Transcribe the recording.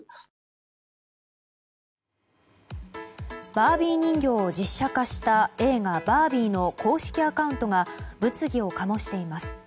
バービー人形を実写化した映画「バービー」の公式アカウントが物議をかもしています。